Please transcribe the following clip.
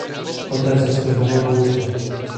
Poté se strhla bouře.